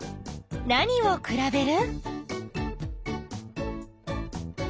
なにをくらべる？